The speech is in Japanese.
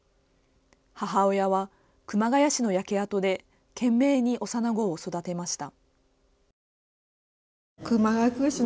母親は熊谷市の焼け跡で懸命に幼子を育てました。